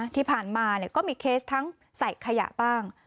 ที่ผ่านมาก็มีเคสทั้งใส่ขยะบ้าง